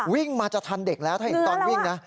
วิ่งมาจะทันเด็กแล้วถ้าเห็นตอนวิ่งนะ